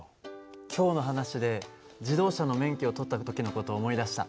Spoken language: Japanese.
今日の話で自動車の免許を取った時の事を思い出した。